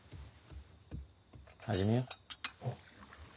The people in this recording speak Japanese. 始めよう。